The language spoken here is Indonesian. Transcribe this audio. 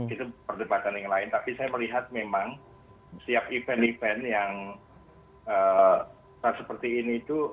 itu perdebatan yang lain tapi saya melihat memang setiap event event yang seperti ini itu